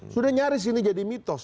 sudah nyaris ini jadi mitos